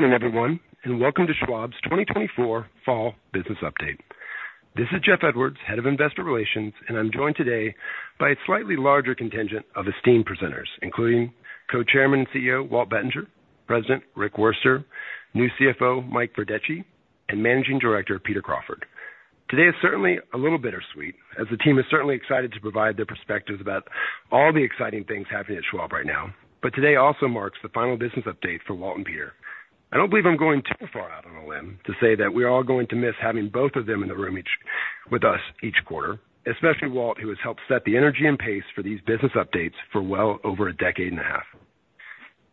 ...Good morning, everyone, and welcome to Schwab's 2024 Fall Business Update. This is Jeff Edwards, Head of Investor Relations, and I'm joined today by a slightly larger contingent of esteemed presenters, including Co-chairman and CEO, Walt Bettinger, President Rick Wurster, new CFO, Mike Verdeschi, and Managing Director Peter Crawford. Today is certainly a little bittersweet, as the team is certainly excited to provide their perspectives about all the exciting things happening at Schwab right now. But today also marks the final business update for Walt and Peter. I don't believe I'm going too far out on a limb to say that we're all going to miss having both of them in the room with us each quarter, especially Walt, who has helped set the energy and pace for these business updates for well over a decade and a half.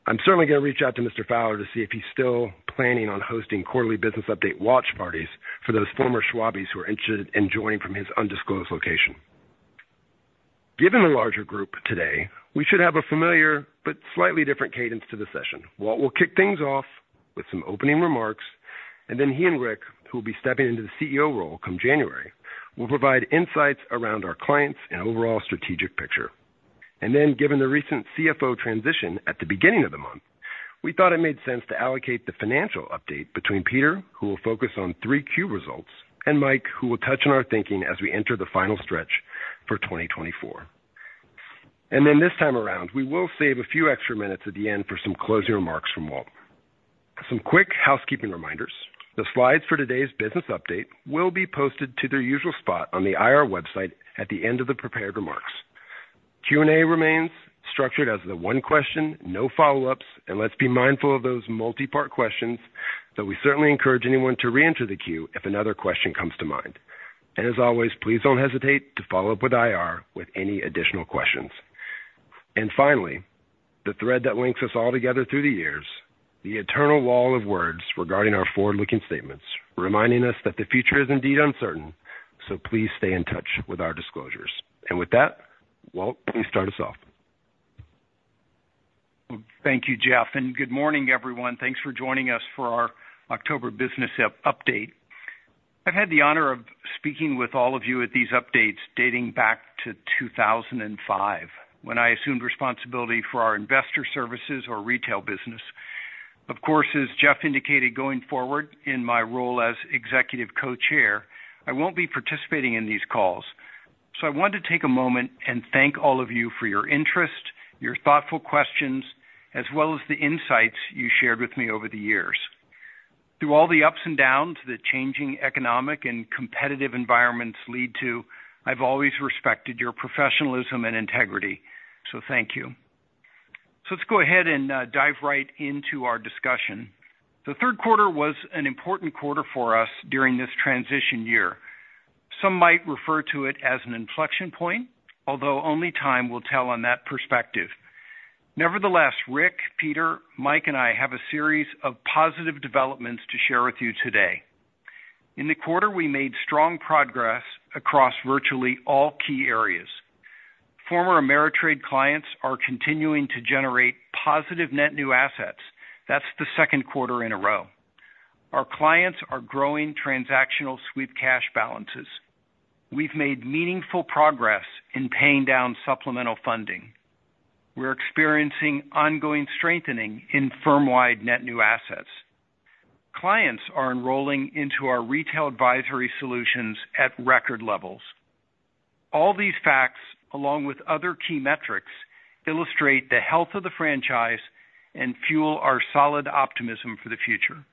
I'm certainly going to reach out to Mr. Founder to see if he's still planning on hosting quarterly business update watch parties for those former Schwabies who are interested in joining from his undisclosed location. Given the larger group today, we should have a familiar but slightly different cadence to the session. Walt will kick things off with some opening remarks, and then he and Rick, who will be stepping into the CEO role come January, will provide insights around our clients and overall strategic picture. Then, given the recent CFO transition at the beginning of the month, we thought it made sense to allocate the financial update between Peter, who will focus on 3Q results, and Mike, who will touch on our thinking as we enter the final stretch for 2024. Then this time around, we will save a few extra minutes at the end for some closing remarks from Walt. Some quick housekeeping reminders. The slides for today's business update will be posted to their usual spot on the IR website at the end of the prepared remarks. Q&A remains structured as the one question, no follow-ups, and let's be mindful of those multi-part questions, though we certainly encourage anyone to reenter the queue if another question comes to mind. And as always, please don't hesitate to follow up with IR with any additional questions. And finally, the thread that links us all together through the years, the eternal wall of words regarding our forward-looking statements, reminding us that the future is indeed uncertain. So please stay in touch with our disclosures. And with that, Walt, please start us off. Thank you, Jeff, and good morning, everyone. Thanks for joining us for our October business update. I've had the honor of speaking with all of you at these updates dating back to 2005, when I assumed responsibility for our Investor Services or Retail Business. Of course, as Jeff indicated, going forward in my role as Executive Co-Chair, I won't be participating in these calls, so I want to take a moment and thank all of you for your interest, your thoughtful questions, as well as the insights you shared with me over the years. Through all the ups and downs, the changing economic and competitive environments lead to, I've always respected your professionalism and integrity, so thank you. Let's go ahead and dive right into our discussion. The third quarter was an important quarter for us during this transition year. Some might refer to it as an inflection point, although only time will tell on that perspective. Nevertheless, Rick, Peter, Mike, and I have a series of positive developments to share with you today. In the quarter, we made strong progress across virtually all key areas. Former Ameritrade clients are continuing to generate positive net new assets. That's the second quarter in a row. Our clients are growing transactional sweep cash balances. We've made meaningful progress in paying down supplemental funding. We're experiencing ongoing strengthening in firm-wide net new assets. Clients are enrolling into our retail advisory solutions at record levels. All these facts, along with other key metrics, illustrate the health of the franchise and fuel our solid optimism for the future.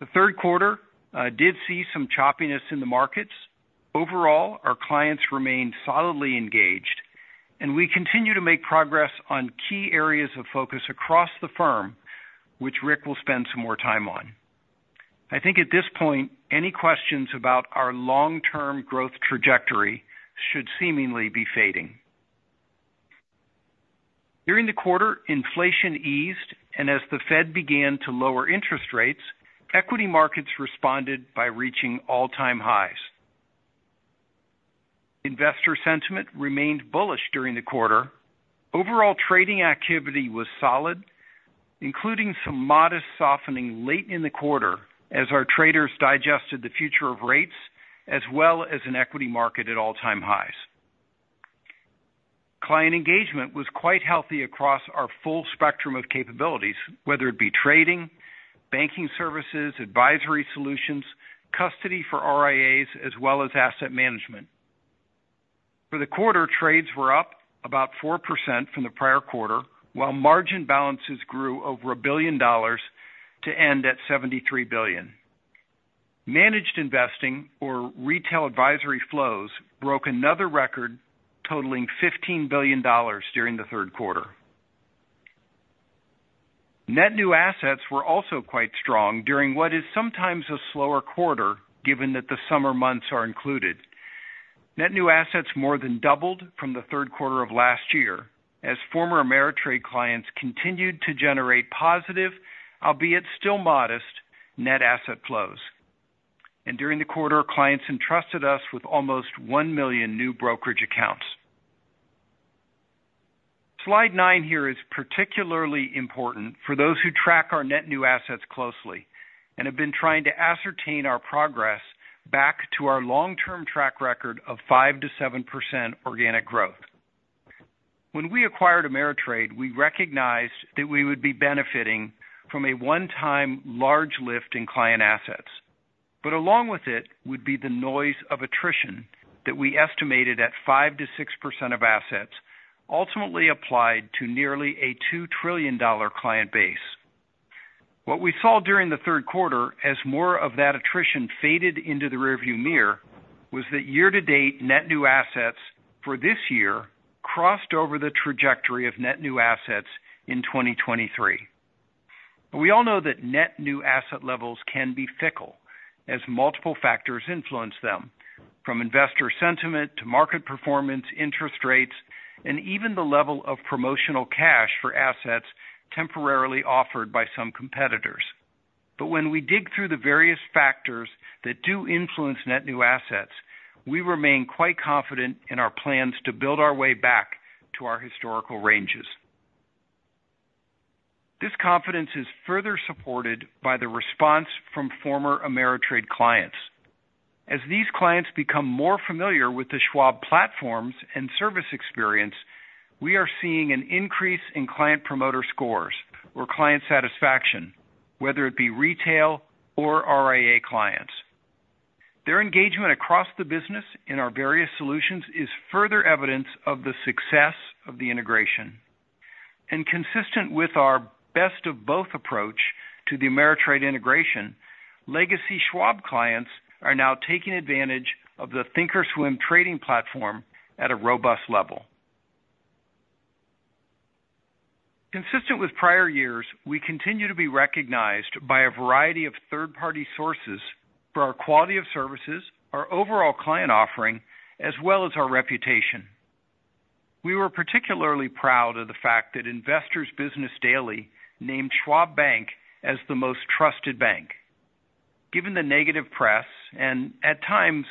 The third quarter did see some choppiness in the markets. Overall, our clients remained solidly engaged, and we continue to make progress on key areas of focus across the firm, which Rick will spend some more time on. I think at this point, any questions about our long-term growth trajectory should seemingly be fading. During the quarter, inflation eased, and as the Fed began to lower interest rates, equity markets responded by reaching all-time highs. Investor sentiment remained bullish during the quarter. Overall trading activity was solid, including some modest softening late in the quarter as our traders digested the future of rates, as well as an equity market at all-time highs. Client engagement was quite healthy across our full spectrum of capabilities, whether it be trading, banking services, advisory solutions, custody for RIAs, as well as asset management. For the quarter, trades were up about 4% from the prior quarter, while margin balances grew over $1 billion to end at $73 billion. Managed investing or retail advisory flows broke another record, totaling $15 billion during the third quarter. Net new assets were also quite strong during what is sometimes a slower quarter, given that the summer months are included. Net new assets more than doubled from the third quarter of last year as former Ameritrade clients continued to generate positive, albeit still modest, net asset flows, and during the quarter, clients entrusted us with almost 1 million new brokerage accounts. Slide nine here is particularly important for those who track our net new assets closely and have been trying to ascertain our progress back to our long-term track record of 5%-7% organic growth. When we acquired Ameritrade, we recognized that we would be benefiting from a one-time large lift in client assets. But along with it would be the noise of attrition that we estimated at 5%-6% of assets, ultimately applied to nearly a $2 trillion client base. What we saw during the third quarter, as more of that attrition faded into the rearview mirror, was that year-to-date net new assets for this year crossed over the trajectory of net new assets in 2023. We all know that net new asset levels can be fickle, as multiple factors influence them, from investor sentiment to market performance, interest rates, and even the level of promotional cash for assets temporarily offered by some competitors. But when we dig through the various factors that do influence net new assets, we remain quite confident in our plans to build our way back to our historical ranges. This confidence is further supported by the response from former Ameritrade clients. As these clients become more familiar with the Schwab platforms and service experience, we are seeing an increase in Client Promoter Scores or client satisfaction, whether it be retail or RIA clients. Their engagement across the business in our various solutions is further evidence of the success of the integration. Consistent with our best of both approach to the Ameritrade integration, legacy Schwab clients are now taking advantage of the thinkorswim trading platform at a robust level. Consistent with prior years, we continue to be recognized by a variety of third-party sources for our quality of services, our overall client offering, as well as our reputation. We were particularly proud of the fact that Investor's Business Daily named Schwab Bank as the most trusted bank. Given the negative press and at times,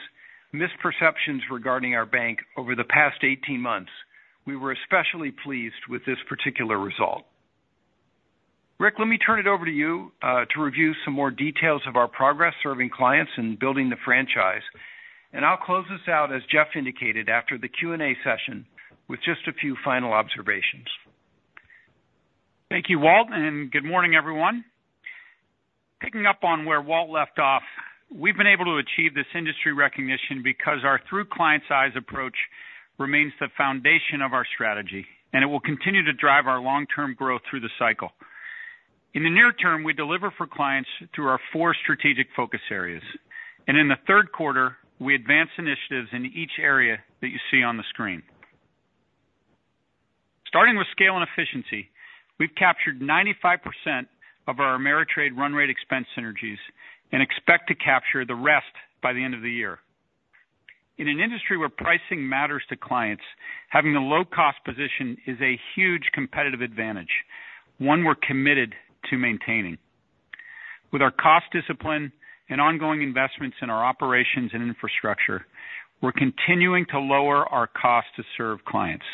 misperceptions regarding our bank over the past 18 months, we were especially pleased with this particular result. Rick, let me turn it over to you to review some more details of our progress serving clients and building the franchise. I'll close this out, as Jeff indicated, after the Q&A session with just a few final observations. Thank you, Walt, and good morning, everyone. Picking up on where Walt left off, we've been able to achieve this industry recognition because our true client size approach remains the foundation of our strategy, and it will continue to drive our long-term growth through the cycle. In the near term, we deliver for clients through our four strategic focus areas, and in the third quarter, we advance initiatives in each area that you see on the screen. Starting with scale and efficiency, we've captured 95% of our Ameritrade run rate expense synergies and expect to capture the rest by the end of the year. In an industry where pricing matters to clients, having a low-cost position is a huge competitive advantage, one we're committed to maintaining. With our cost discipline and ongoing investments in our operations and infrastructure, we're continuing to lower our cost to serve clients.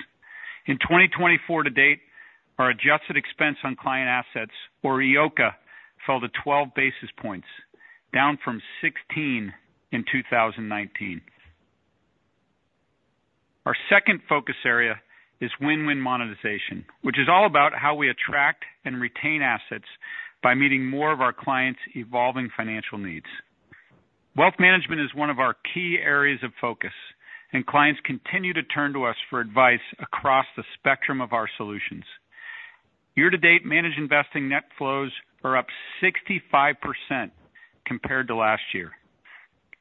In 2024 to date, our adjusted expense on client assets, or EOCA, fell to 12 basis points, down from 16 in 2019. Our second focus area is win-win monetization, which is all about how we attract and retain assets by meeting more of our clients' evolving financial needs. Wealth management is one of our key areas of focus, and clients continue to turn to us for advice across the spectrum of our solutions. Year to date, managed investing net flows are up 65% compared to last year.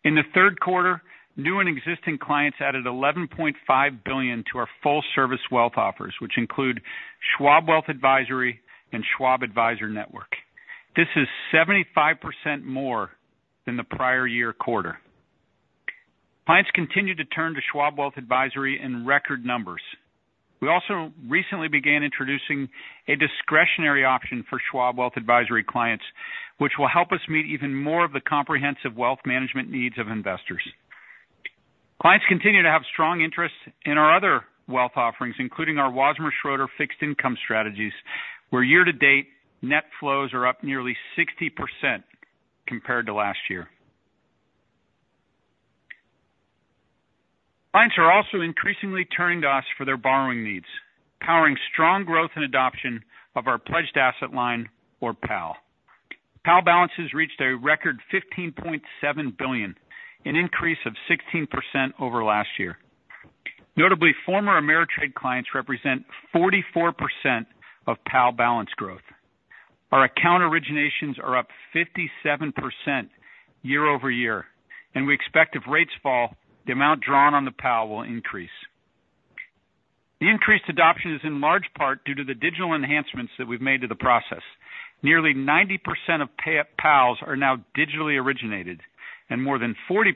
In the third quarter, new and existing clients added $11.5 billion to our full service wealth offers, which include Schwab Wealth Advisory and Schwab Advisor Network. This is 75% more than the prior year quarter. Clients continue to turn to Schwab Wealth Advisory in record numbers. We also recently began introducing a discretionary option for Schwab Wealth Advisory clients, which will help us meet even more of the comprehensive wealth management needs of investors. Clients continue to have strong interest in our other wealth offerings, including our Wasmer Schroeder fixed income strategies, where year-to-date, net flows are up nearly 60% compared to last year. Clients are also increasingly turning to us for their borrowing needs, powering strong growth and adoption of our Pledged Asset Line, or PAL. PAL balances reached a record $15.7 billion, an increase of 16% over last year. Notably, former Ameritrade clients represent 44% of PAL balance growth. Our account originations are up 57% year-over-year, and we expect if rates fall, the amount drawn on the PAL will increase. The increased adoption is in large part due to the digital enhancements that we've made to the process. Nearly 90% of PALs are now digitally originated, and more than 40%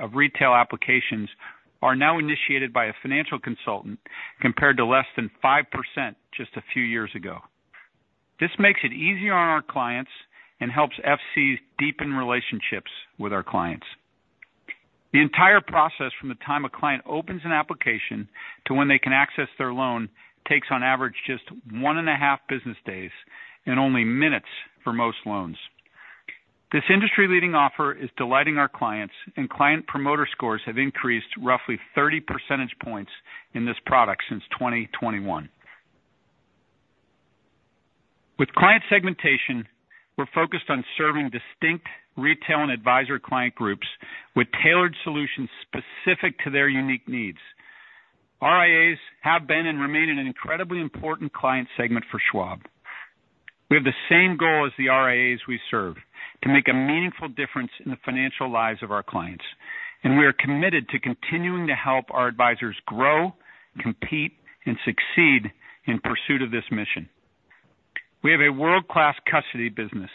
of retail applications are now initiated by a financial consultant, compared to less than 5% just a few years ago. This makes it easier on our clients and helps FCs deepen relationships with our clients. The entire process from the time a client opens an application to when they can access their loan takes on average just one and a half business days and only minutes for most loans. This industry-leading offer is delighting our clients, and client promoter scores have increased roughly 30 percentage points in this product since 2021. With client segmentation, we're focused on serving distinct retail and advisor client groups with tailored solutions specific to their unique needs. RIAs have been and remain an incredibly important client segment for Schwab. We have the same goal as the RIAs we serve, to make a meaningful difference in the financial lives of our clients, and we are committed to continuing to help our advisors grow, compete, and succeed in pursuit of this mission. We have a world-class custody business,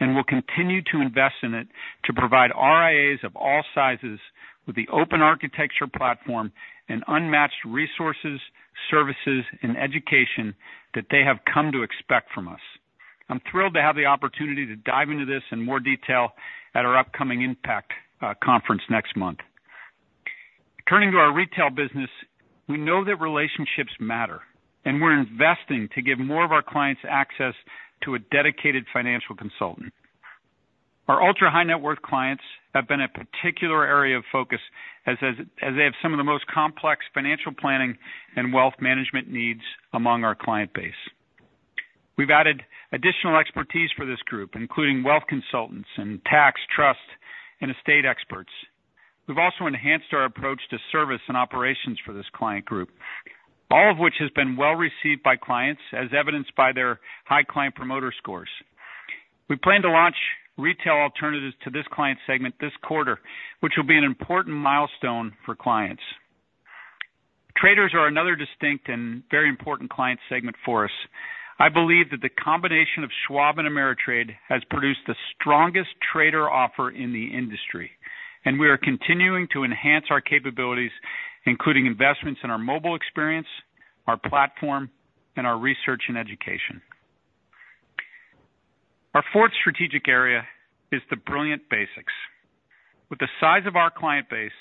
and we'll continue to invest in it to provide RIAs of all sizes with the open architecture platform and unmatched resources, services, and education that they have come to expect from us. I'm thrilled to have the opportunity to dive into this in more detail at our upcoming IMPACT conference next month. Turning to our retail business, we know that relationships matter, and we're investing to give more of our clients access to a dedicated financial consultant. Our ultra-high net worth clients have been a particular area of focus, as they have some of the most complex financial planning and wealth management needs among our client base. We've added additional expertise for this group, including wealth consultants and tax, trust, and estate experts. We've also enhanced our approach to service and operations for this client group, all of which has been well received by clients, as evidenced by their high Client Promoter Scores. We plan to launch retail alternatives to this client segment this quarter, which will be an important milestone for clients. Traders are another distinct and very important client segment for us. I believe that the combination of Schwab and Ameritrade has produced the strongest trader offer in the industry, and we are continuing to enhance our capabilities, including investments in our mobile experience, our platform, and our research and education. Our fourth strategic area is the brilliant basics. With the size of our client base,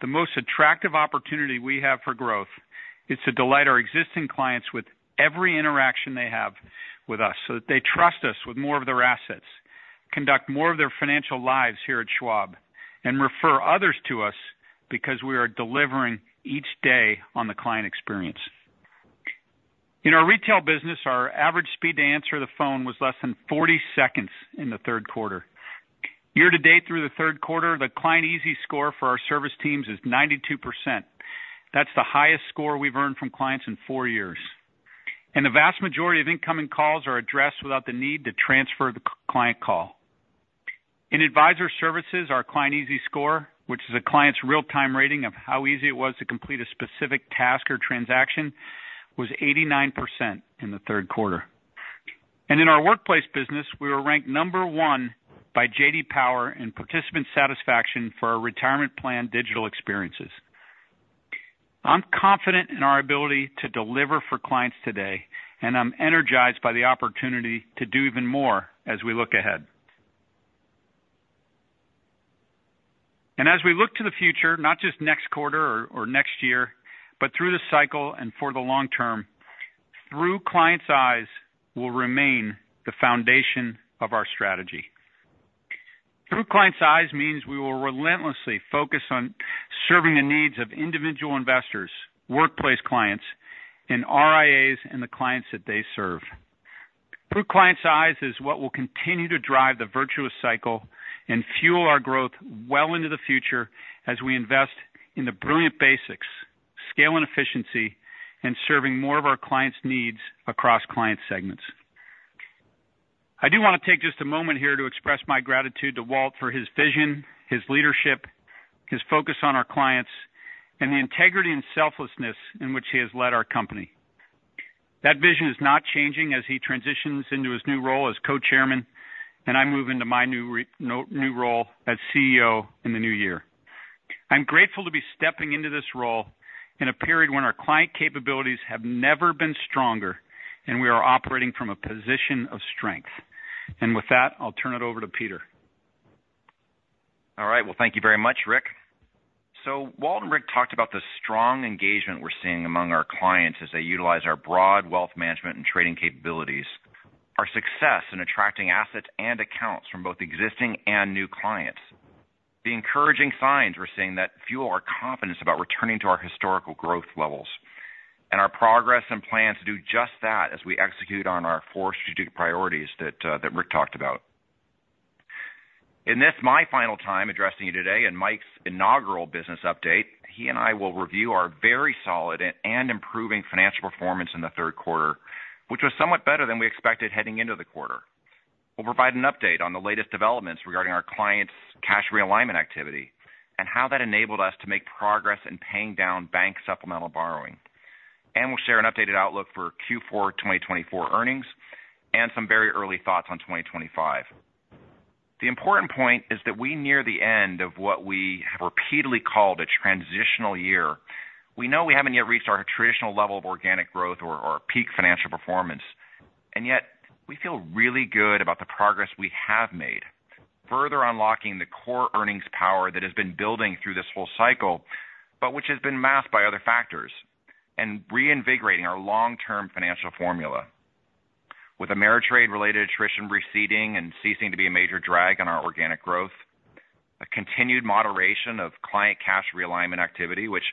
the most attractive opportunity we have for growth is to delight our existing clients with every interaction they have with us, so that they trust us with more of their assets, conduct more of their financial lives here at Schwab, and refer others to us because we are delivering each day on the client experience. In our retail business, our average speed to answer the phone was less than 40 seconds in the third quarter. Year to date through the third quarter, the Client Easy Score for our service teams is 92%. That's the highest score we've earned from clients in four years, and the vast majority of incoming calls are addressed without the need to transfer the client call. In Advisor Services, our Client Easy Score, which is a client's real-time rating of how easy it was to complete a specific task or transaction, was 89% in the third quarter. In our workplace business, we were ranked number one by J.D. Power in participant satisfaction for our retirement plan digital experiences. I'm confident in our ability to deliver for clients today, and I'm energized by the opportunity to do even more as we look ahead. As we look to the future, not just next quarter or next year, but through the cycle and for the long term, through client's eyes will remain the foundation of our strategy. Through client's eyes means we will relentlessly focus on serving the needs of individual investors, workplace clients, and RIAs, and the clients that they serve. Through client's eyes is what will continue to drive the virtuous cycle and fuel our growth well into the future as we invest in the brilliant basics, scale and efficiency, and serving more of our clients' needs across client segments. I do want to take just a moment here to express my gratitude to Walt for his vision, his leadership, his focus on our clients, and the integrity and selflessness in which he has led our company. That vision is not changing as he transitions into his new role as co-chairman, and I move into my new role as CEO in the new year. I'm grateful to be stepping into this role in a period when our client capabilities have never been stronger, and we are operating from a position of strength, and with that, I'll turn it over to Peter. All right, well, thank you very much, Rick. So Walt and Rick talked about the strong engagement we're seeing among our clients as they utilize our broad wealth management and trading capabilities, our success in attracting assets and accounts from both existing and new clients. The encouraging signs we're seeing that fuel our confidence about returning to our historical growth levels and our progress and plans to do just that as we execute on our four strategic priorities that that Rick talked about. In this, my final time addressing you today, and Mike's inaugural business update, he and I will review our very solid and improving financial performance in the third quarter, which was somewhat better than we expected heading into the quarter. We'll provide an update on the latest developments regarding our clients' cash realignment activity and how that enabled us to make progress in paying down bank supplemental borrowing, and we'll share an updated outlook for Q4 2024 earnings and some very early thoughts on 2025. The important point is that we near the end of what we have repeatedly called a transitional year. We know we haven't yet reached our traditional level of organic growth or peak financial performance, and yet we feel really good about the progress we have made, further unlocking the core earnings power that has been building through this whole cycle, but which has been masked by other factors... and reinvigorating our long-term financial formula. With Ameritrade-related attrition receding and ceasing to be a major drag on our organic growth, a continued moderation of client cash realignment activity, which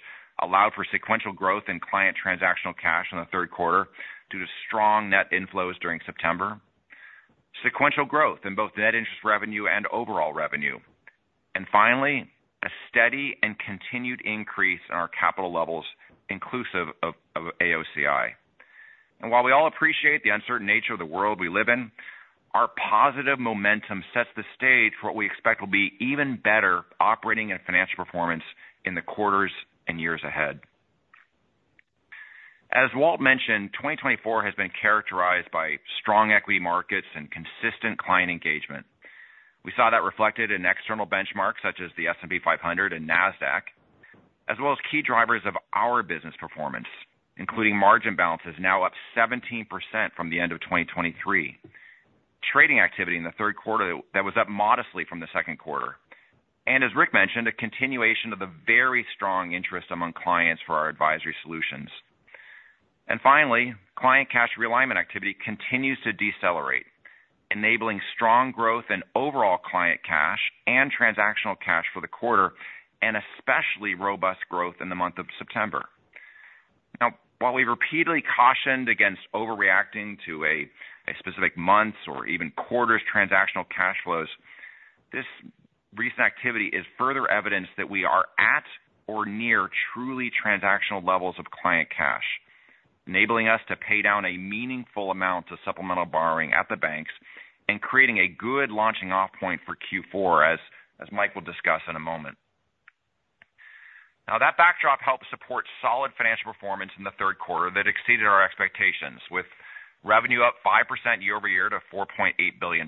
allowed for sequential growth in client transactional cash in the third quarter due to strong net inflows during September, sequential growth in both net interest revenue and overall revenue, and finally, a steady and continued increase in our capital levels, inclusive of AOCI, and while we all appreciate the uncertain nature of the world we live in, our positive momentum sets the stage for what we expect will be even better operating and financial performance in the quarters and years ahead. As Walt mentioned, 2024 has been characterized by strong equity markets and consistent client engagement. We saw that reflected in external benchmarks such as the S&P 500 and Nasdaq, as well as key drivers of our business performance, including margin balances, now up 17% from the end of 2023. Trading activity in the third quarter that was up modestly from the second quarter, and as Rick mentioned, a continuation of the very strong interest among clients for our advisory solutions. Finally, client cash realignment activity continues to decelerate, enabling strong growth in overall client cash and transactional cash for the quarter, and especially robust growth in the month of September. Now, while we've repeatedly cautioned against overreacting to a specific month's or even quarter's transactional cash flows, this recent activity is further evidence that we are at or near truly transactional levels of client cash, enabling us to pay down a meaningful amount to supplemental borrowing at the banks and creating a good launching off point for Q4, as Mike will discuss in a moment. Now, that backdrop helped support solid financial performance in the third quarter that exceeded our expectations, with revenue up 5% year-over-year to $4.8 billion,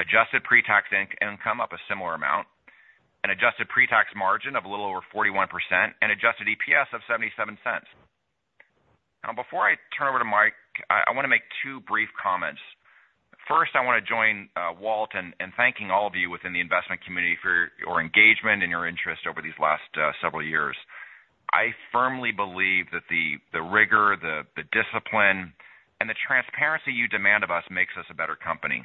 adjusted pre-tax income up a similar amount, an adjusted pre-tax margin of a little over 41% and adjusted EPS of $0.77. Now, before I turn over to Mike, I want to make two brief comments. First, I want to join Walt in thanking all of you within the investment community for your engagement and your interest over these last several years. I firmly believe that the rigor, the discipline, and the transparency you demand of us makes us a better company.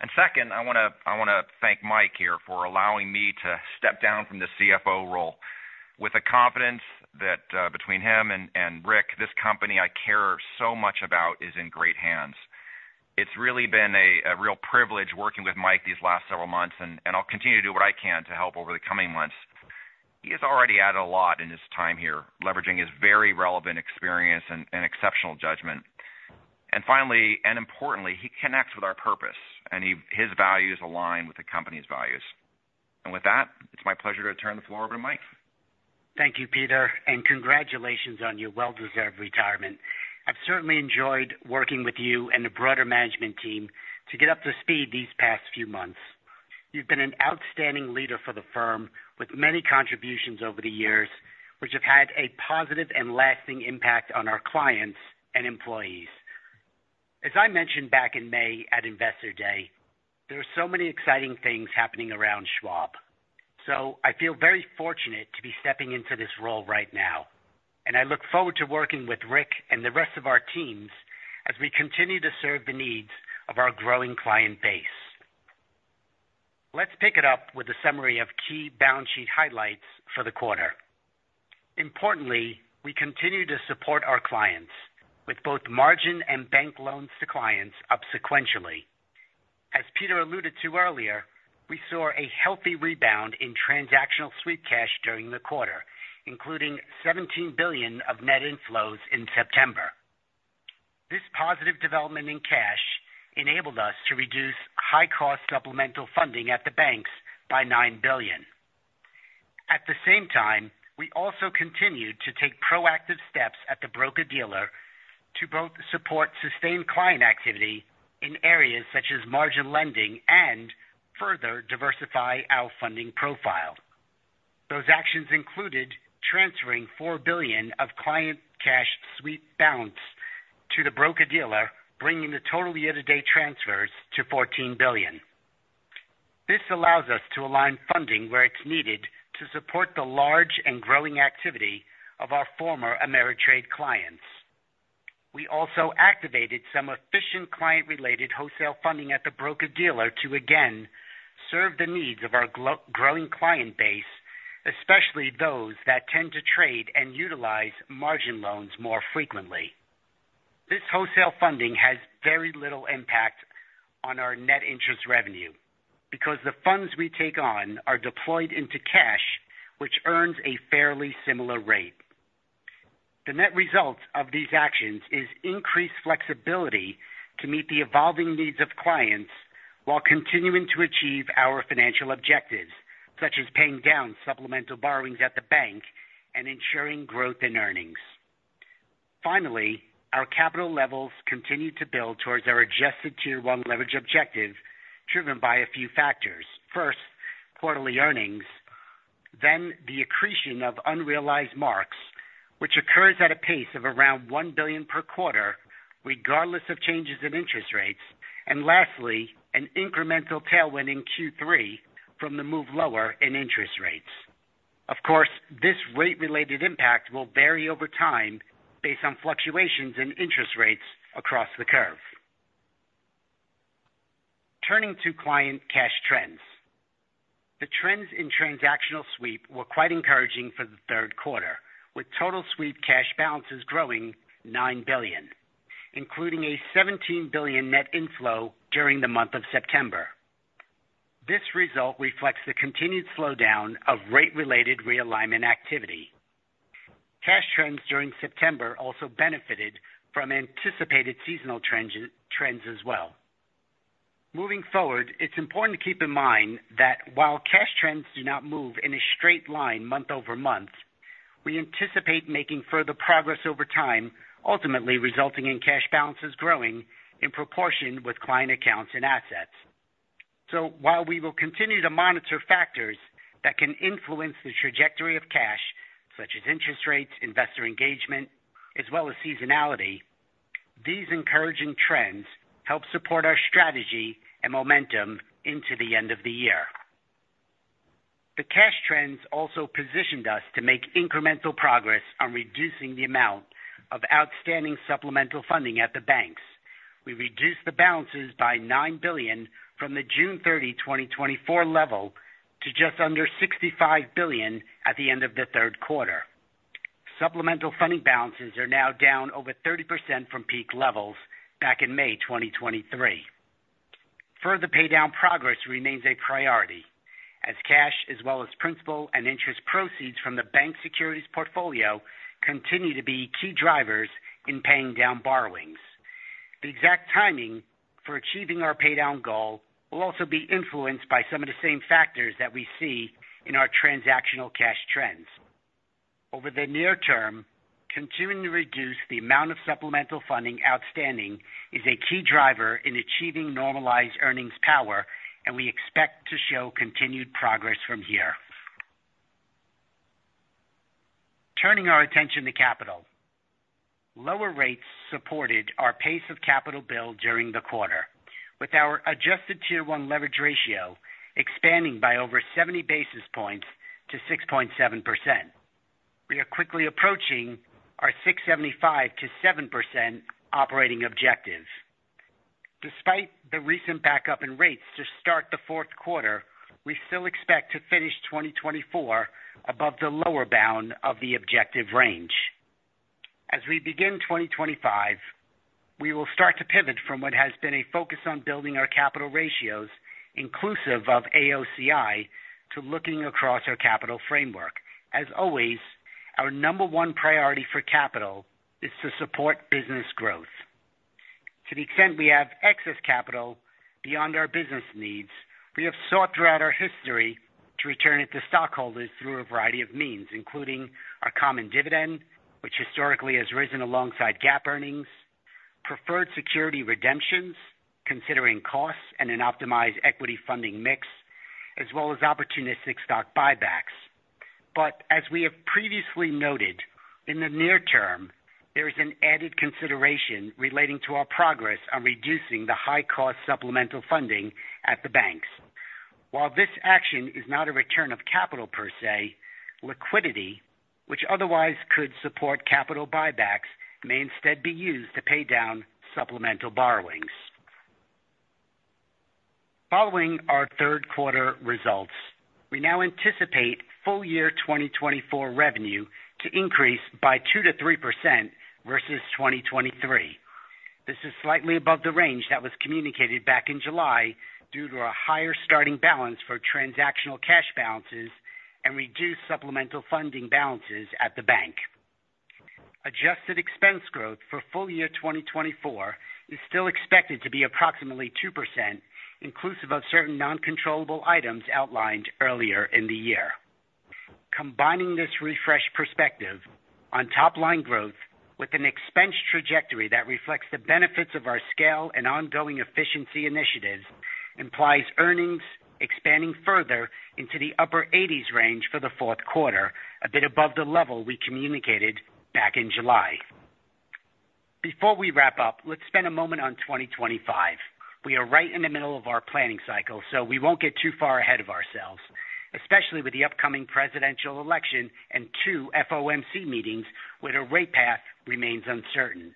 And second, I want to thank Mike here for allowing me to step down from the CFO role with the confidence that between him and Rick, this company I care so much about is in great hands. It's really been a real privilege working with Mike these last several months, and I'll continue to do what I can to help over the coming months. He has already added a lot in his time here, leveraging his very relevant experience and exceptional judgment. Finally, and importantly, he connects with our purpose, and his values align with the company's values. With that, it's my pleasure to turn the floor over to Mike. Thank you, Peter, and congratulations on your well-deserved retirement. I've certainly enjoyed working with you and the broader management team to get up to speed these past few months. You've been an outstanding leader for the firm, with many contributions over the years, which have had a positive and lasting impact on our clients and employees. As I mentioned back in May at Investor Day, there are so many exciting things happening around Schwab, so I feel very fortunate to be stepping into this role right now, and I look forward to working with Rick and the rest of our teams as we continue to serve the needs of our growing client base. Let's pick it up with a summary of key balance sheet highlights for the quarter. Importantly, we continue to support our clients with both margin and bank loans to clients up sequentially. As Peter alluded to earlier, we saw a healthy rebound in transactional sweep cash during the quarter, including $17 billion of net inflows in September. This positive development in cash enabled us to reduce high-cost supplemental funding at the banks by $9 billion. At the same time, we also continued to take proactive steps at the broker-dealer to both support sustained client activity in areas such as margin lending and further diversify our funding profile. Those actions included transferring $4 billion of client cash sweep balance to the broker-dealer, bringing the total year-to-date transfers to $14 billion. This allows us to align funding where it's needed to support the large and growing activity of our former Ameritrade clients. We also activated some efficient client-related wholesale funding at the broker-dealer to again serve the needs of our growing client base, especially those that tend to trade and utilize margin loans more frequently. This wholesale funding has very little impact on our net interest revenue, because the funds we take on are deployed into cash, which earns a fairly similar rate. The net result of these actions is increased flexibility to meet the evolving needs of clients while continuing to achieve our financial objectives, such as paying down supplemental borrowings at the bank and ensuring growth in earnings. Finally, our capital levels continued to build towards our adjusted Tier 1 leverage objective, driven by a few factors. First, quarterly earnings, then the accretion of unrealized marks.... occurs at a pace of around $1 billion per quarter, regardless of changes in interest rates, and lastly, an incremental tailwind in Q3 from the move lower in interest rates. Of course, this rate-related impact will vary over time based on fluctuations in interest rates across the curve. Turning to client cash trends. The trends in transactional sweep were quite encouraging for the third quarter, with total sweep cash balances growing $9 billion, including a $17 billion net inflow during the month of September. This result reflects the continued slowdown of rate-related realignment activity. Cash trends during September also benefited from anticipated seasonal trends as well. Moving forward, it's important to keep in mind that while cash trends do not move in a straight line month over month, we anticipate making further progress over time, ultimately resulting in cash balances growing in proportion with client accounts and assets. While we will continue to monitor factors that can influence the trajectory of cash, such as interest rates, investor engagement, as well as seasonality, these encouraging trends help support our strategy and momentum into the end of the year. The cash trends also positioned us to make incremental progress on reducing the amount of outstanding supplemental funding at the banks. We reduced the balances by $9 billion from the June 30, 2024 level to just under $65 billion at the end of the third quarter. Supplemental funding balances are now down over 30% from peak levels back in May 2023. Further paydown progress remains a priority, as cash, as well as principal and interest proceeds from the bank securities portfolio, continue to be key drivers in paying down borrowings. The exact timing for achieving our paydown goal will also be influenced by some of the same factors that we see in our transactional cash trends. Over the near term, continuing to reduce the amount of supplemental funding outstanding is a key driver in achieving normalized earnings power, and we expect to show continued progress from here. Turning our attention to capital. Lower rates supported our pace of capital build during the quarter, with our adjusted Tier 1 leverage ratio expanding by over 70 basis points to 6.7%. We are quickly approaching our 6.75%-7% operating objective. Despite the recent backup in rates to start the fourth quarter, we still expect to finish 2024 above the lower bound of the objective range. As we begin 2025, we will start to pivot from what has been a focus on building our capital ratios, inclusive of AOCI, to looking across our capital framework. As always, our number one priority for capital is to support business growth. To the extent we have excess capital beyond our business needs, we have sought throughout our history to return it to stockholders through a variety of means, including our common dividend, which historically has risen alongside GAAP earnings, preferred security redemptions, considering costs and an optimized equity funding mix, as well as opportunistic stock buybacks. But as we have previously noted, in the near term, there is an added consideration relating to our progress on reducing the high cost supplemental funding at the banks. While this action is not a return of capital per se, liquidity, which otherwise could support capital buybacks, may instead be used to pay down supplemental borrowings. Following our third quarter results, we now anticipate full-year 2024 revenue to increase by 2-3% versus 2023. This is slightly above the range that was communicated back in July due to a higher starting balance for transactional cash balances and reduced supplemental funding balances at the bank. Adjusted expense growth for full-year 2024 is still expected to be approximately 2%, inclusive of certain non-controllable items outlined earlier in the year. Combining this refreshed perspective on top line growth with an expense trajectory that reflects the benefits of our scale and ongoing efficiency initiatives, implies earnings expanding further into the upper eighties range for the fourth quarter, a bit above the level we communicated back in July. Before we wrap up, let's spend a moment on 2025. We are right in the middle of our planning cycle, so we won't get too far ahead of ourselves, especially with the upcoming presidential election and two FOMC meetings, where the rate path remains uncertain.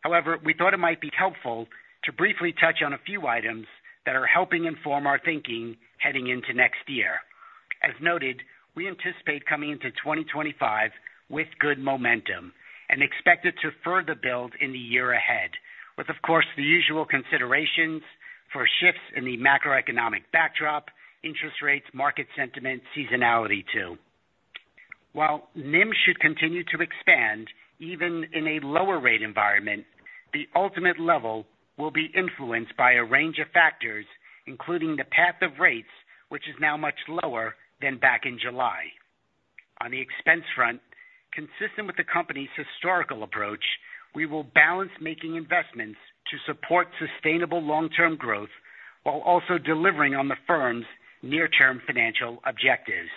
However, we thought it might be helpful to briefly touch on a few items that are helping inform our thinking heading into next year. As noted, we anticipate coming into 2025 with good momentum and expect it to further build in the year ahead, with, of course, the usual considerations for shifts in the macroeconomic backdrop, interest rates, market sentiment, seasonality too. While NIM should continue to expand even in a lower rate environment, the ultimate level will be influenced by a range of factors, including the path of rates, which is now much lower than back in July. On the expense front, consistent with the company's historical approach, we will balance making investments to support sustainable long-term growth, while also delivering on the firm's near-term financial objectives.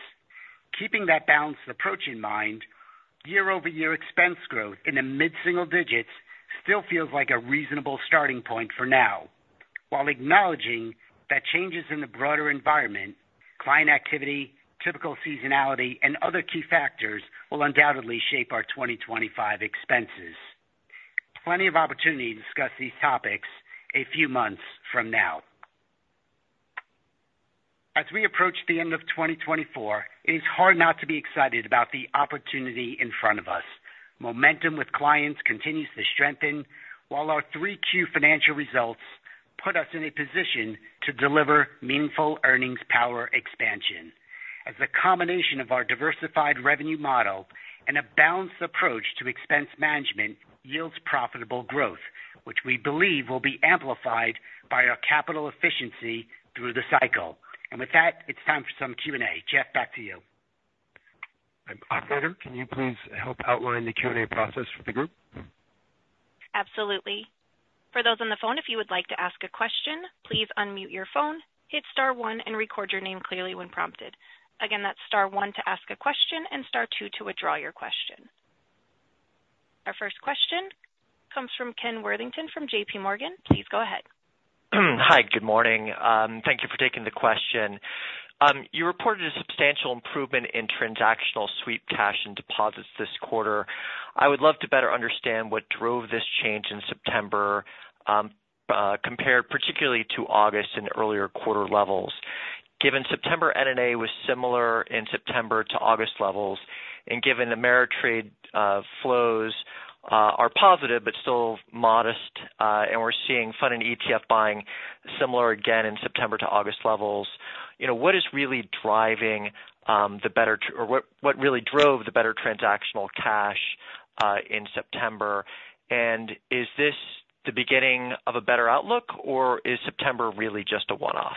Keeping that balanced approach in mind, year-over-year expense growth in the mid-single digits still feels like a reasonable starting point for now, while acknowledging that changes in the broader environment, client activity, typical seasonality, and other key factors will undoubtedly shape our 2025 expenses. Plenty of opportunity to discuss these topics a few months from now. As we approach the end of 2024, it is hard not to be excited about the opportunity in front of us. Momentum with clients continues to strengthen, while our 3Q financial results put us in a position to deliver meaningful earnings power expansion, as a combination of our diversified revenue model and a balanced approach to expense management yields profitable growth, which we believe will be amplified by our capital efficiency through the cycle. And with that, it's time for some Q&A. Jeff, back to you. Operator, can you please help outline the Q&A process for the group? Absolutely. For those on the phone, if you would like to ask a question, please unmute your phone, hit star one, and record your name clearly when prompted. Again, that's star one to ask a question and star two to withdraw your question. Our first question comes from Ken Worthington from JPMorgan. Please go ahead. Hi, good morning. Thank you for taking the question. You reported a substantial improvement in transactional sweep cash and deposits this quarter. I would love to better understand what drove this change in September, compared particularly to August and earlier quarter levels. Given September NNA was similar in September to August levels, and given the Ameritrade flows are positive but still modest, and we're seeing fund and ETF buying similar again in September to August levels, you know, what is really driving the better, or what really drove the better transactional cash in September? And is this the beginning of a better outlook, or is September really just a one-off?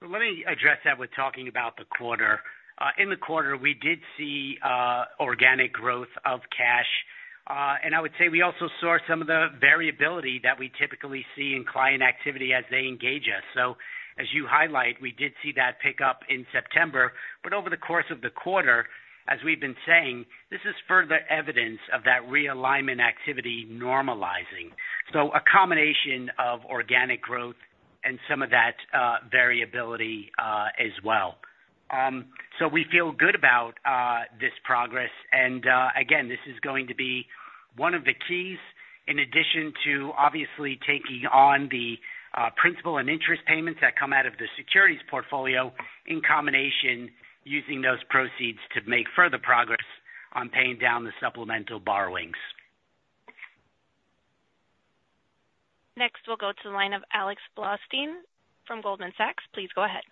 Well, let me address that with talking about the quarter. In the quarter, we did see organic growth of cash. And I would say we also saw some of the variability that we typically see in client activity as they engage us. So as you highlight, we did see that pick up in September, but over the course of the quarter, as we've been saying, this is further evidence of that realignment activity normalizing. So a combination of organic growth and some of that variability as well. So we feel good about this progress, and again, this is going to be one of the keys, in addition to obviously taking on the principal and interest payments that come out of the securities portfolio, in combination, using those proceeds to make further progress on paying down the supplemental borrowings. Next, we'll go to the line of Alex Blostein from Goldman Sachs. Please go ahead.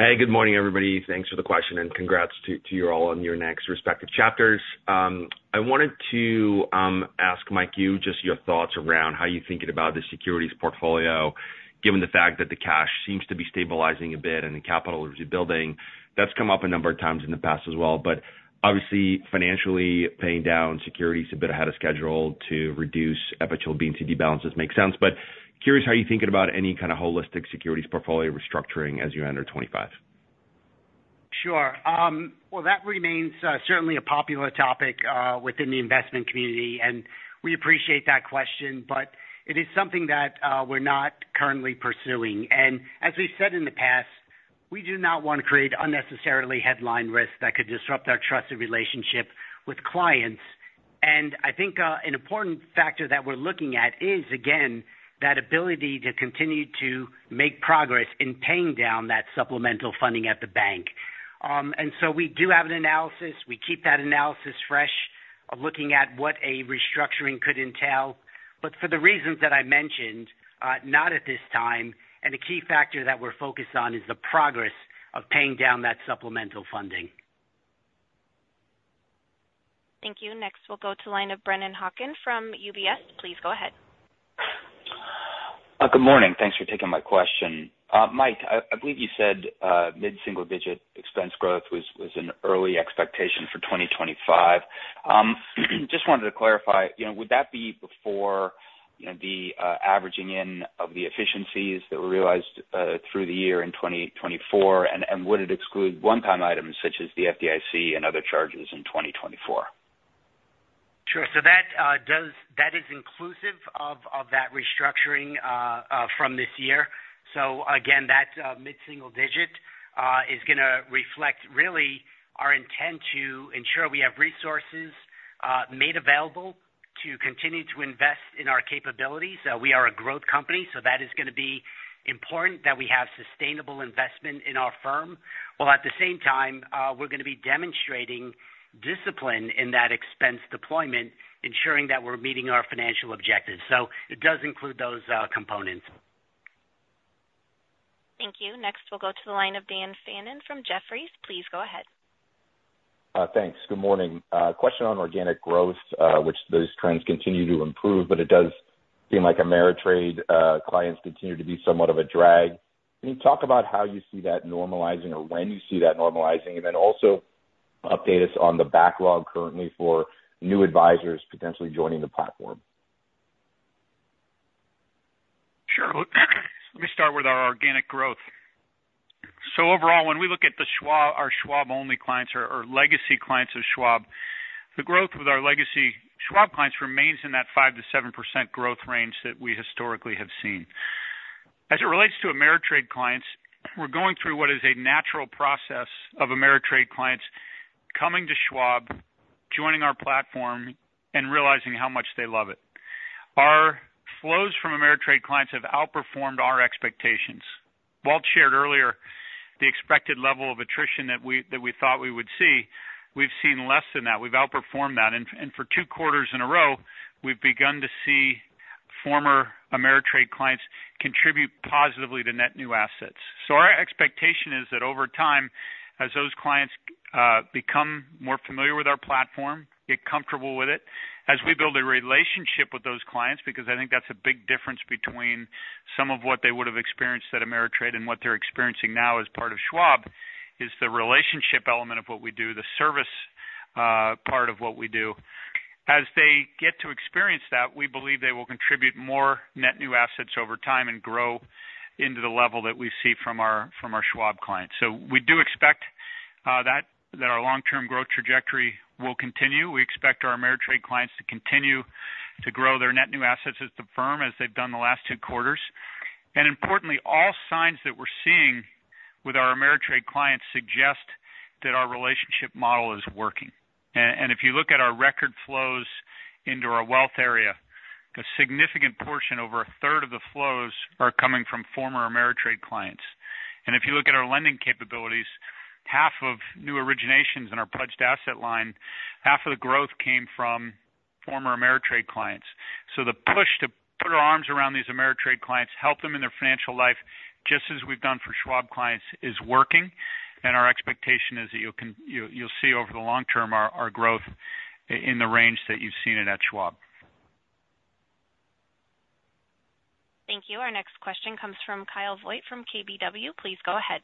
Hey, good morning, everybody. Thanks for the question, and congrats to you all on your next respective chapters. I wanted to ask Mike, you, just your thoughts around how you're thinking about the securities portfolio, given the fact that the cash seems to be stabilizing a bit and the capital is rebuilding. That's come up a number of times in the past as well, but obviously financially, paying down securities a bit ahead of schedule to reduce FHLB and CD balances makes sense. But curious how you're thinking about any kind of holistic securities portfolio restructuring as you enter 2 Sure. Well, that remains certainly a popular topic within the investment community, and we appreciate that question, but it is something that we're not currently pursuing. And as we've said in the past, we do not want to create unnecessarily headline risk that could disrupt our trusted relationship with clients. And I think an important factor that we're looking at is, again, that ability to continue to make progress in paying down that supplemental funding at the bank. And so we do have an analysis. We keep that analysis fresh of looking at what a restructuring could entail, but for the reasons that I mentioned, not at this time, and the key factor that we're focused on is the progress of paying down that supplemental funding. Thank you. Next, we'll go to the line of Brennan Hawken from UBS. Please go ahead. Good morning. Thanks for taking my question. Mike, I believe you said mid-single digit expense growth was an early expectation for 2025. Just wanted to clarify, you know, would that be before, you know, the averaging in of the efficiencies that were realized through the year in 2024? And would it exclude one-time items such as the FDIC and other charges in 2024? Sure. So that does—that is inclusive of that restructuring from this year. So again, that mid-single digit is gonna reflect really our intent to ensure we have resources made available to continue to invest in our capabilities. We are a growth company, so that is gonna be important that we have sustainable investment in our firm, while at the same time, we're gonna be demonstrating discipline in that expense deployment, ensuring that we're meeting our financial objectives. So it does include those components. Thank you. Next, we'll go to the line of Dan Fannon from Jefferies. Please go ahead. Thanks. Good morning. A question on organic growth, which those trends continue to improve, but it does seem like Ameritrade clients continue to be somewhat of a drag. Can you talk about how you see that normalizing or when you see that normalizing? And then also update us on the backlog currently for new advisors potentially joining the platform? Sure. Let me start with our organic growth. So overall, when we look at the Schwab, our Schwab-only clients or legacy clients of Schwab, the growth with our legacy Schwab clients remains in that 5%-7% growth range that we historically have seen. As it relates to Ameritrade clients, we're going through what is a natural process of Ameritrade clients coming to Schwab, joining our platform, and realizing how much they love it. Our flows from Ameritrade clients have outperformed our expectations. Walt shared earlier the expected level of attrition that we thought we would see. We've seen less than that. We've outperformed that. And for two quarters in a row, we've begun to see former Ameritrade clients contribute positively to net new assets. Our expectation is that over time, as those clients become more familiar with our platform, get comfortable with it, as we build a relationship with those clients, because I think that's a big difference between some of what they would have experienced at Ameritrade and what they're experiencing now as part of Schwab, is the relationship element of what we do, the service part of what we do. As they get to experience that, we believe they will contribute more net new assets over time and grow into the level that we see from our Schwab clients. We do expect that our long-term growth trajectory will continue. We expect our Ameritrade clients to continue to grow their net new assets at the firm as they've done the last two quarters. Importantly, all signs that we're seeing with our Ameritrade clients suggest that our relationship model is working. If you look at our record flows into our wealth area, a significant portion, over a third of the flows are coming from former Ameritrade clients. If you look at our lending capabilities, half of new originations in our Pledged Asset Line, half of the growth came from former Ameritrade clients. The push to put our arms around these Ameritrade clients, help them in their financial life, just as we've done for Schwab clients, is working. Our expectation is that you, you'll see over the long term our growth in the range that you've seen it at Schwab. Thank you. Our next question comes from Kyle Voigt from KBW. Please go ahead.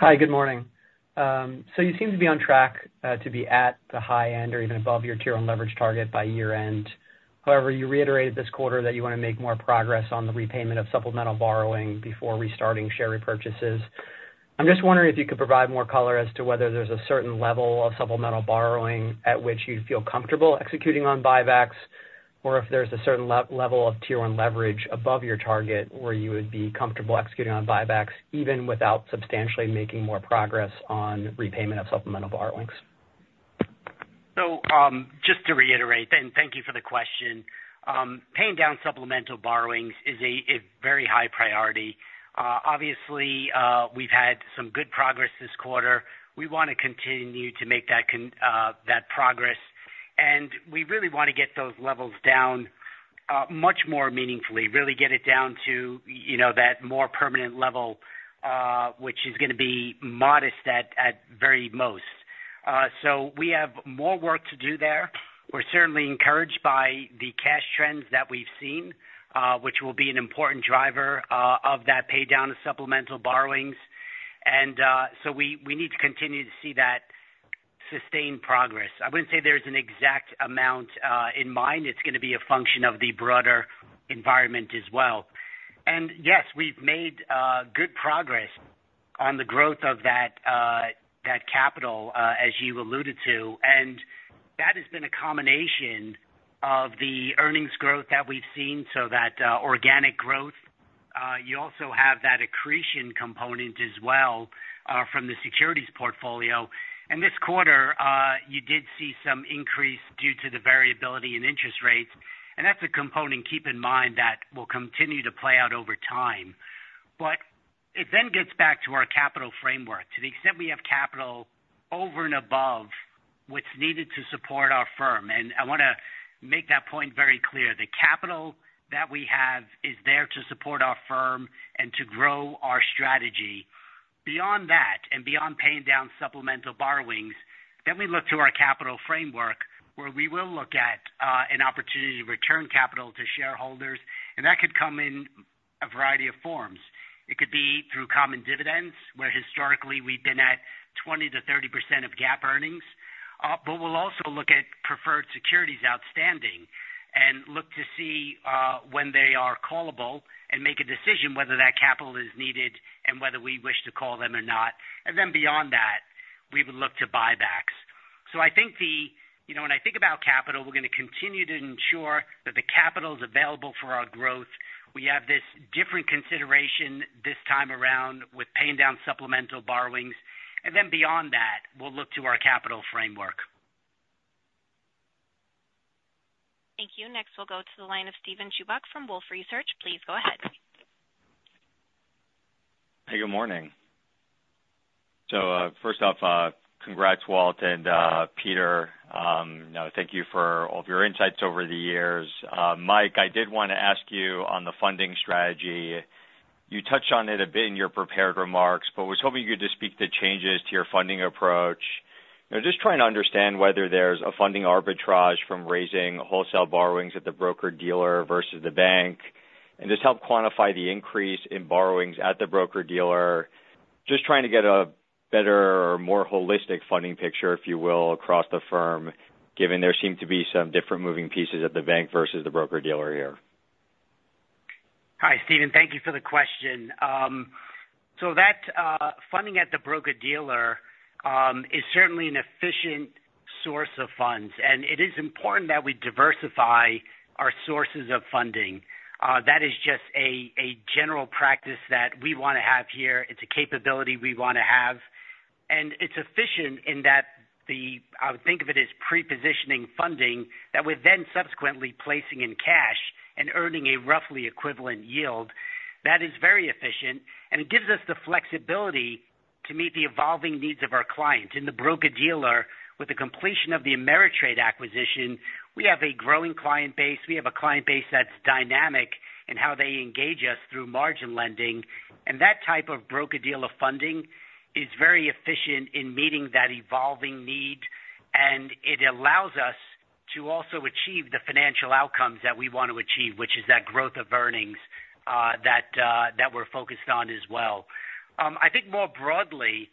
Hi, good morning. So you seem to be on track to be at the high end or even above your tier one leverage target by year-end. However, you reiterated this quarter that you want to make more progress on the repayment of supplemental borrowing before restarting share repurchases. I'm just wondering if you could provide more color as to whether there's a certain level of supplemental borrowing at which you'd feel comfortable executing on buybacks, or if there's a certain level of tier one leverage above your target, where you would be comfortable executing on buybacks, even without substantially making more progress on repayment of supplemental borrowings? Just to reiterate, thank you for the question. Paying down supplemental borrowings is a very high priority. Obviously, we've had some good progress this quarter. We want to continue to make that progress, and we really want to get those levels down much more meaningfully, really get it down to, you know, that more permanent level, which is going to be modest at very most. We have more work to do there. We're certainly encouraged by the cash trends that we've seen, which will be an important driver of that pay down of supplemental borrowings, and so we need to continue to see that sustained progress. I wouldn't say there's an exact amount in mind. It's going to be a function of the broader environment as well. And yes, we've made good progress on the growth of that capital as you alluded to, and that has been a combination of the earnings growth that we've seen, so that organic growth. You also have that accretion component as well from the securities portfolio. And this quarter, you did see some increase due to the variability in interest rates, and that's a component, keep in mind, that will continue to play out over time. But it then gets back to our capital framework. To the extent we have capital over and above what's needed to support our firm, and I want to make that point very clear. The capital that we have is there to support our firm and to grow our strategy. Beyond that, and beyond paying down supplemental borrowings, then we look to our capital framework, where we will look at an opportunity to return capital to shareholders, and that could come in a variety of forms. It could be through common dividends, where historically we've been at 20%-30% of GAAP earnings, but we'll also look at preferred securities outstanding and look to see when they are callable and make a decision whether that capital is needed and whether we wish to call them or not, and then beyond that, we would look to buybacks, so I think you know, when I think about capital, we're going to continue to ensure that the capital is available for our growth. We have this different consideration this time around with paying down supplemental borrowings, and then beyond that, we'll look to our capital framework. Thank you. Next, we'll go to the line of Steven Chubak from Wolfe Research. Please go ahead. Hey, good morning. So, first off, congrats, Walt, and, Peter. Now, thank you for all of your insights over the years. Mike, I did want to ask you on the funding strategy, you touched on it a bit in your prepared remarks, but was hoping you could just speak to changes to your funding approach.... I'm just trying to understand whether there's a funding arbitrage from raising wholesale borrowings at the broker-dealer versus the bank, and just help quantify the increase in borrowings at the broker-dealer. Just trying to get a better or more holistic funding picture, if you will, across the firm, given there seem to be some different moving pieces at the bank versus the broker-dealer here. Hi, Steven, thank you for the question. So that funding at the broker-dealer is certainly an efficient source of funds, and it is important that we diversify our sources of funding. That is just a general practice that we want to have here. It's a capability we want to have, and it's efficient in that the I would think of it as pre-positioning funding that we're then subsequently placing in cash and earning a roughly equivalent yield. That is very efficient, and it gives us the flexibility to meet the evolving needs of our clients. In the broker-dealer, with the completion of the Ameritrade acquisition, we have a growing client base. We have a client base that's dynamic in how they engage us through margin lending. And that type of broker-dealer funding is very efficient in meeting that evolving need, and it allows us to also achieve the financial outcomes that we want to achieve, which is that growth of earnings that we're focused on as well. I think more broadly,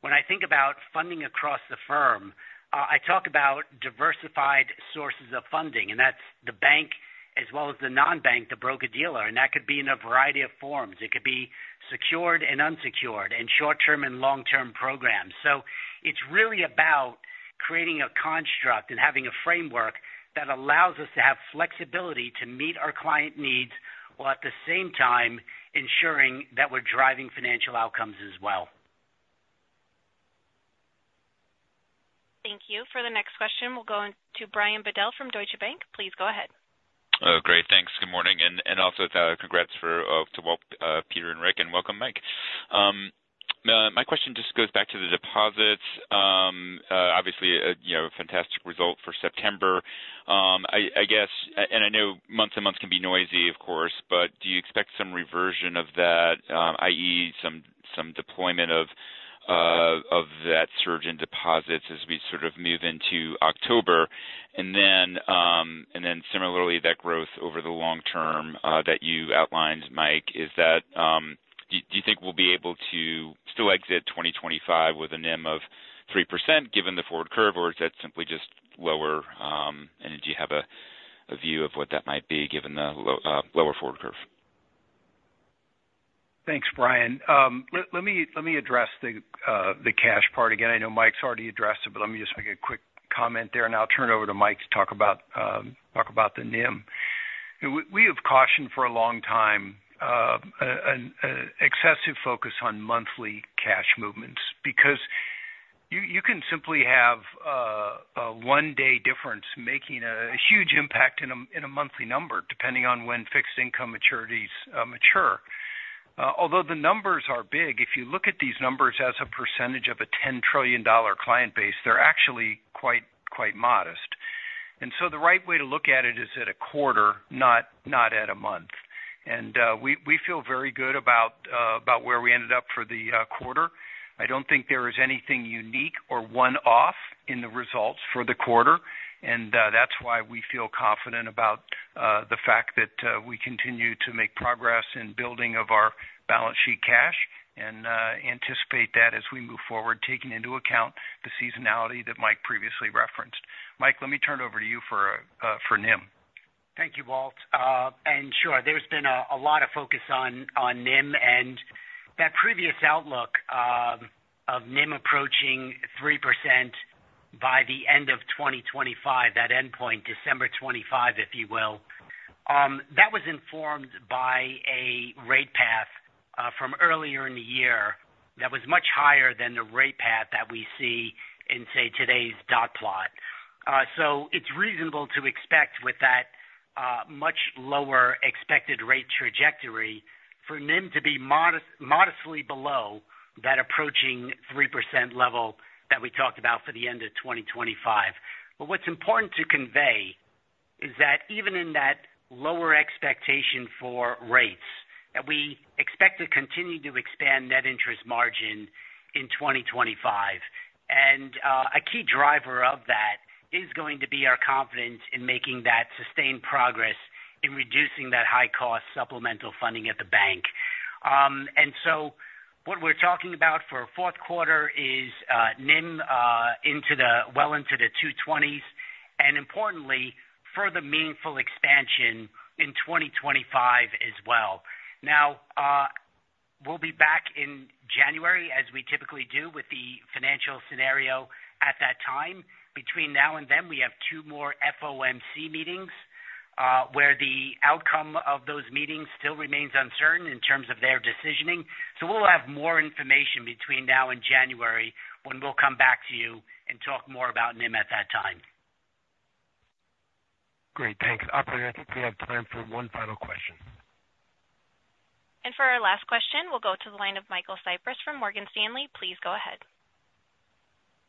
when I think about funding across the firm, I talk about diversified sources of funding, and that's the bank as well as the non-bank, the broker-dealer, and that could be in a variety of forms. It could be secured and unsecured, and short-term and long-term programs. So it's really about creating a construct and having a framework that allows us to have flexibility to meet our client needs, while at the same time ensuring that we're driving financial outcomes as well. Thank you. For the next question, we'll go to Brian Bedell from Deutsche Bank. Please go ahead. Oh, great, thanks. Good morning, and also, congrats to Walt, Peter and Rick, and welcome, Mike. My question just goes back to the deposits. Obviously, you know, fantastic result for September. I guess, and I know month to month can be noisy, of course, but do you expect some reversion of that, i.e., some deployment of that surge in deposits as we sort of move into October? And then, and then similarly, that growth over the long term, that you outlined, Mike, is that... Do you think we'll be able to still exit 2025 with a NIM of 3%, given the forward curve, or is that simply just lower, and do you have a view of what that might be, given the lower forward curve? Thanks, Brian. Let me address the cash part again. I know Mike's already addressed it, but let me just make a quick comment there, and I'll turn it over to Mike to talk about the NIM. We have cautioned for a long time an excessive focus on monthly cash movements because you can simply have a one-day difference making a huge impact in a monthly number, depending on when fixed income maturities mature. Although the numbers are big, if you look at these numbers as a percentage of a $10 trillion client base, they're actually quite modest. And so the right way to look at it is at a quarter, not at a month. And, we feel very good about where we ended up for the quarter. I don't think there is anything unique or one-off in the results for the quarter, and that's why we feel confident about the fact that we continue to make progress in building of our balance sheet cash, and anticipate that as we move forward, taking into account the seasonality that Mike previously referenced. Mike, let me turn it over to you for NIM. Thank you, Walt, and sure, there's been a lot of focus on NIM and that previous outlook of NIM approaching 3% by the end of 2025, that endpoint, December 2025, if you will, that was informed by a rate path from earlier in the year that was much higher than the rate path that we see in, say, today's dot plot, so it's reasonable to expect with that much lower expected rate trajectory for NIM to be modestly below that approaching 3% level that we talked about for the end of 2025, but what's important to convey is that even in that lower expectation for rates, that we expect to continue to expand net interest margin in 2025. A key driver of that is going to be our confidence in making that sustained progress in reducing that high-cost supplemental funding at the bank. So what we're talking about for fourth quarter is NIM into the two 20, and importantly, further meaningful expansion in 2025 as well. Now, we'll be back in January, as we typically do, with the financial scenario at that time. Between now and then, we have two more FOMC meetings, where the outcome of those meetings still remains uncertain in terms of their decisioning. We'll have more information between now and January, when we'll come back to you and talk more about NIM at that time. Great, thanks. Operator, I think we have time for one final question. And for our last question, we'll go to the line of Michael Cyprys from Morgan Stanley. Please go ahead.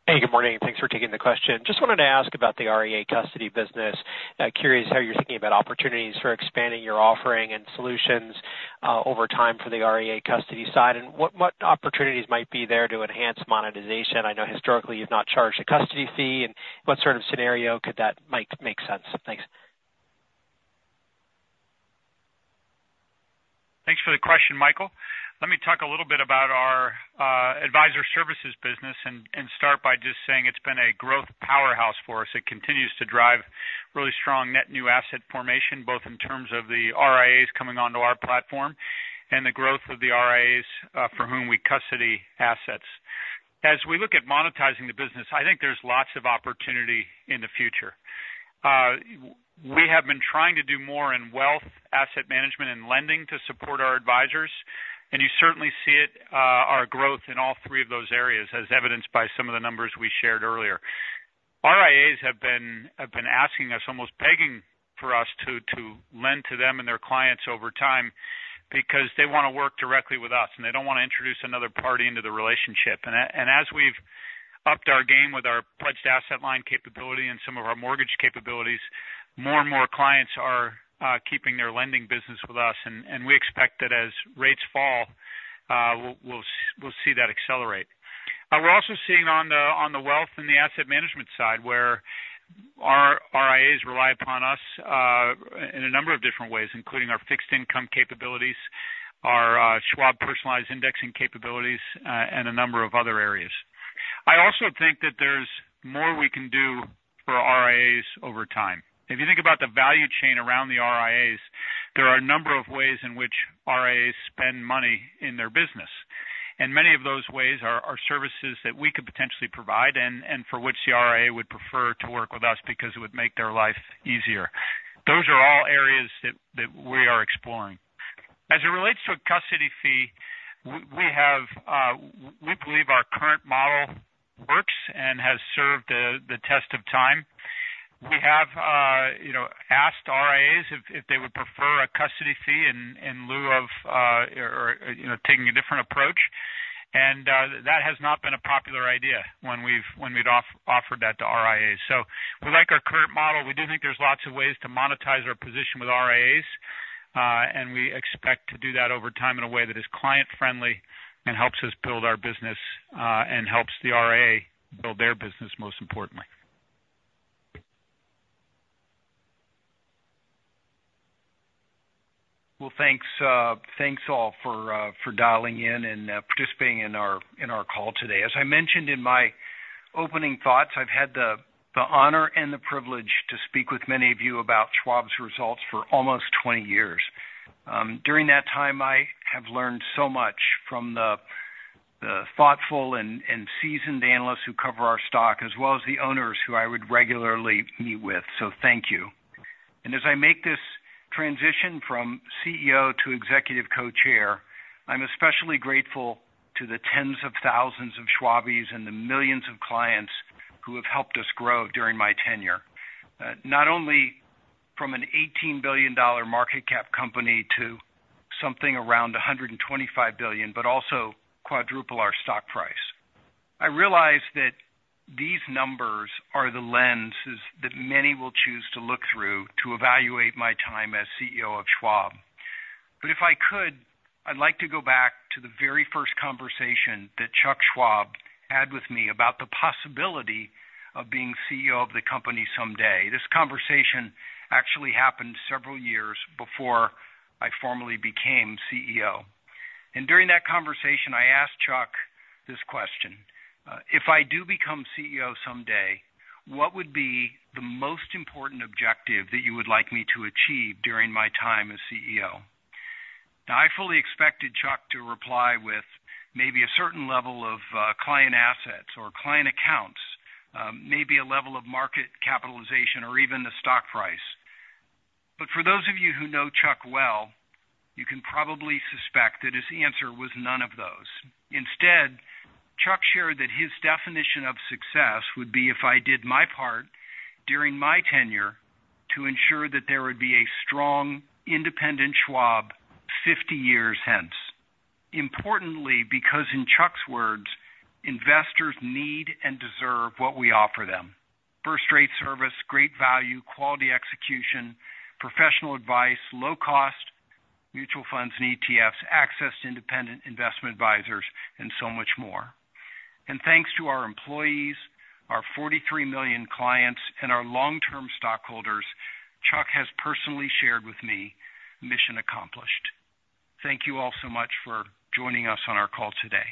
Hey, good morning, and thanks for taking the question. Just wanted to ask about the RIA custody business. Curious how you're thinking about opportunities for expanding your offering and solutions.... over time for the RIA custody side? And what opportunities might be there to enhance monetization? I know historically you've not charged a custody fee, and what sort of scenario could that make sense? Thanks. Thanks for the question, Michael. Let me talk a little bit about our advisor services business and start by just saying it's been a growth powerhouse for us. It continues to drive really strong net new asset formation, both in terms of the RIAs coming onto our platform and the growth of the RIAs for whom we custody assets. As we look at monetizing the business, I think there's lots of opportunity in the future. We have been trying to do more in wealth, asset management, and lending to support our advisors, and you certainly see it, our growth in all three of those areas, as evidenced by some of the numbers we shared earlier. RIAs have been asking us, almost begging for us to lend to them and their clients over time because they wanna work directly with us, and they don't wanna introduce another party into the relationship. And as we've upped our game with our Pledged Asset Line capability and some of our mortgage capabilities, more and more clients are keeping their lending business with us. And we expect that as rates fall, we'll see that accelerate. We're also seeing on the wealth and the asset management side, where our RIAs rely upon us in a number of different ways, including our fixed income capabilities, our Schwab Personalized Indexing capabilities, and a number of other areas. I also think that there's more we can do for RIAs over time. If you think about the value chain around the RIAs, there are a number of ways in which RIAs spend money in their business, and many of those ways are services that we could potentially provide and for which the RIA would prefer to work with us because it would make their life easier. Those are all areas that we are exploring. As it relates to a custody fee, we have, we believe our current model works and has served the test of time. We have, you know, asked RIAs if they would prefer a custody fee in lieu of or, you know, taking a different approach, and that has not been a popular idea when we've offered that to RIAs. So we like our current model. We do think there's lots of ways to monetize our position with RIAs, and we expect to do that over time in a way that is client-friendly and helps us build our business, and helps the RIA build their business, most importantly. Well, thanks, all, for dialing in and participating in our call today. As I mentioned in my opening thoughts, I've had the honor and the privilege to speak with many of you about Schwab's results for almost 20 years. During that time, I have learned so much from the thoughtful and seasoned analysts who cover our stock, as well as the owners who I would regularly meet with, so thank you. As I make this transition from CEO to executive co-chair, I'm especially grateful to the tens of thousands of Schwabies and the millions of clients who have helped us grow during my tenure. Not only from an $18 billion market cap company to something around $125 billion, but also quadruple our stock price. I realize that these numbers are the lenses that many will choose to look through to evaluate my time as CEO of Schwab. But if I could, I'd like to go back to the very first conversation that Chuck Schwab had with me about the possibility of being CEO of the company someday. This conversation actually happened several years before I formally became CEO. During that conversation, I asked Chuck this question: "If I do become CEO someday, what would be the most important objective that you would like me to achieve during my time as CEO?" Now, I fully expected Chuck to reply with maybe a certain level of, client assets or client accounts, maybe a level of market capitalization or even the stock price. For those of you who know Chuck well, you can probably suspect that his answer was none of those. Instead, Chuck shared that his definition of success would be if I did my part during my tenure to ensure that there would be a strong, independent Schwab 50 years hence. Importantly, because in Chuck's words, "Investors need and deserve what we offer them. First-rate service, great value, quality execution, professional advice, low cost, mutual funds and ETFs, access to independent investment advisors, and so much more," and thanks to our employees, our forty-three million clients, and our long-term stockholders, Chuck has personally shared with me, "Mission accomplished." Thank you all so much for joining us on our call today.